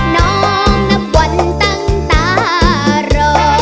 น้องนับวันตั้งตารอ